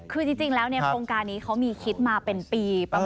คือจริงแล้วโครงการนี้เขามีคิดมาเป็นปีประมาณ